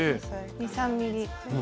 ２３ｍｍ。